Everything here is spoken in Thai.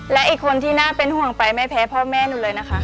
และอีกคนที่น่าเป็นห่วงไปไม่แพ้พ่อแม่หนูเลยนะคะ